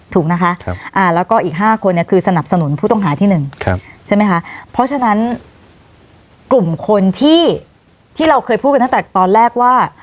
ถูกนะคะแล้วก็อีก๕คนเนี่ยคือสนับสนุนผู้ต้องหาที่๑ใช่ไหมคะเพราะฉะนั้นกลุ่มคนที่ที่เราเคยพูดกันตั้งแต่ตอนแรกว่า